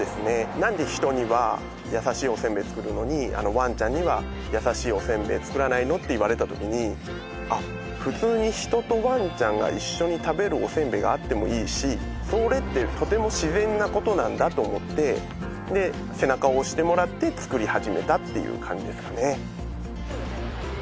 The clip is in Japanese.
なんで人には優しいおせんべい作るのにワンちゃんには優しいおせんべい作らないの？って言われたときにあっ普通に人とワンちゃんが一緒に食べるおせんべいがあってもいいしそれってとても自然なことなんだと思ってで背中を押してもらって作り始めたっていう感じですかね